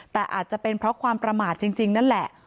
แต่อาจจะเป็นเพราะความประมาทจริงนั่นแหละ